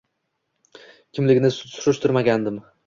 Kimligini surishtirmagandim